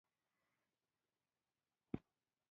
پۀ اوله طريقه کښې